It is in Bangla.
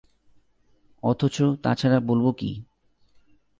অথচ তা ছাড়া বলব কী?